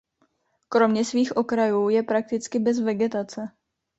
Kromě svých okrajů je prakticky bez vegetace.